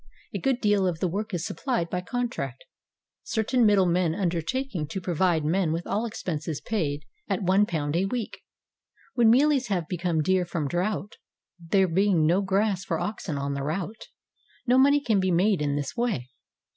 A good deal of the work is supplied by con tract, certain middlemen undertaking to provide men with all expenses paid at £1 a week. When mealies have become dear from drought, — there being no grass for oxen on the route, — no money can be made in this way.